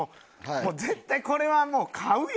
絶対これはもう買うよ